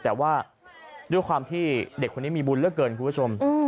แต่ว่าด้วยความที่เด็กคนนี้มีบุญเหลือเกินคุณผู้ชม